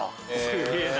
すげぇな！